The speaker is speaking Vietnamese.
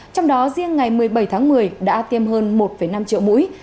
trong đó riêng ngày một mươi bảy tháng một mươi đã tiêm hơn một năm triệu mũi